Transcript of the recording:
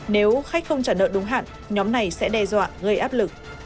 nếu khách không trả nợ đúng hạn nhóm này sẽ đe dọa gây áp lực